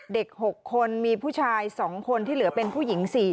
เด็ก๖คนมีผู้ชาย๒คนที่เหลือเป็นผู้หญิง๔